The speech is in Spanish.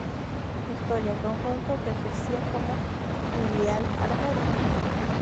Vitoria, conjunto que ejercía como filial "armero".